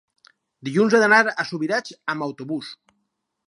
dilluns he d'anar a Subirats amb autobús.